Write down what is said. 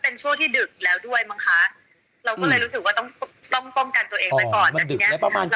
เพราะช่วงนั้นเป็นช่วงที่ดึกแล้วด้วยมั้งคะ